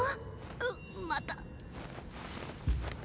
うっまた。